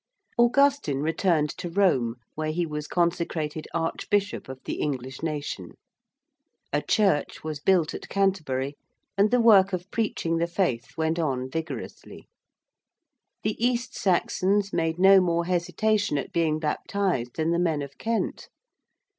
Augustine returned to Rome where he was consecrated Archbishop of the English nation. A church was built at Canterbury, and the work of preaching the Faith went on vigorously. The East Saxons made no more hesitation at being baptised than the men of Kent.